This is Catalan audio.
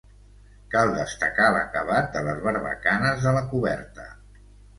Cal destacar l'acabat de les barbacanes de la coberta.